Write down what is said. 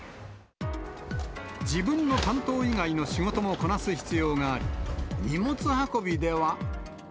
自分の担当以外の仕事もこなす必要があり、荷物運びでは。